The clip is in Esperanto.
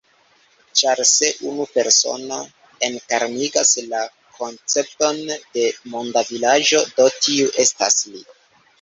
Ĉar se unu persono enkarnigas la koncepton de Monda Vilaĝo, do tiu estas li.